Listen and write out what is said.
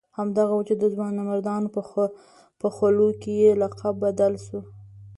همدغه وو چې د ځوانمردانو په خولو کې یې لقب بدل شو.